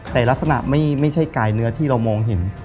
แต่ลักษณะไม่ใช่กายเนื้อที่เรามองเห็น